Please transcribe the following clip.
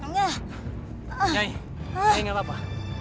nyai gak apa apa